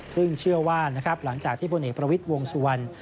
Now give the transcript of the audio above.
ซึ่งเชื่อว่านะครับหลังจากที่พลเอกประวิทย์วงสุวรรณ